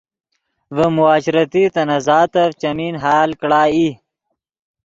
ڤے معاشرتی تنازعاتف چیمین حل کڑا ای